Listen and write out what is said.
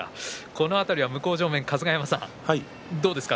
この辺りは向正面の春日山さんどうですか？